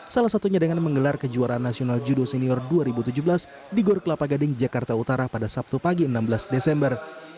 salah satunya dengan menggelar kejuaraan nasional judo senior dua ribu tujuh belas di gor kelapa gading jakarta utara pada sabtu pagi enam belas desember